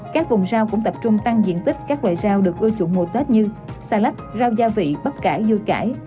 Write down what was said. các vùng rau cũng tập trung tăng diện tích các loại rau được ưa chuộng mùa tết như xà lách rau gia vị bắp cải vui cải